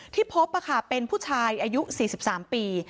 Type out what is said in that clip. ที่พบเป็นผู้ชายอายุ๔๓ปี